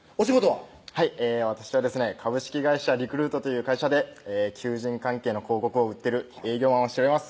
はい私はですね株式会社リクルートという会社で求人関係の広告をうってる営業マンをしております